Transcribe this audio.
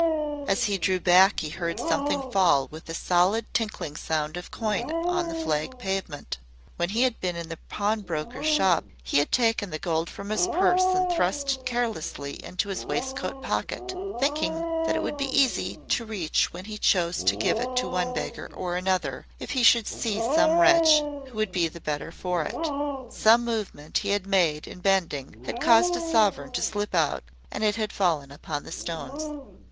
As he drew back he heard something fall with the solid tinkling sound of coin on the flag pavement. When he had been in the pawnbroker's shop he had taken the gold from his purse and thrust it carelessly into his waistcoat pocket, thinking that it would be easy to reach when he chose to give it to one beggar or another, if he should see some wretch who would be the better for it. Some movement he had made in bending had caused a sovereign to slip out and it had fallen upon the stones.